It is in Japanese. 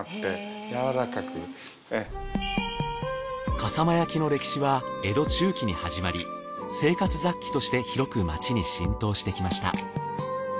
笠間焼の歴史は江戸中期に始まり生活雑器として広く町に浸透してきました。